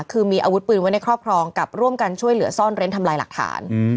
คือมีอาวุธปืนไว้ในครอบครองกับร่วมกันช่วยเหลือซ่อนเร้นทำลายหลักฐาน